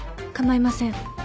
構いません